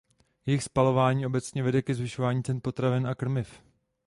Jejich spalování obecně vede ke zvyšování cen potravin a krmiv.